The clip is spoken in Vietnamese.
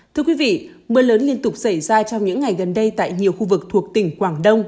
thưa quý vị mưa lớn liên tục xảy ra trong những ngày gần đây tại nhiều khu vực thuộc tỉnh quảng đông